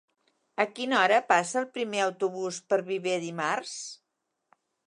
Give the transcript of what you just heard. A quina hora passa el primer autobús per Viver dimarts?